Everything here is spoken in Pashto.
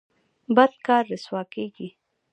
بد کار رسوا کیږي